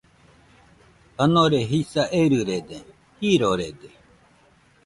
Janore jisa erɨrede, jirorede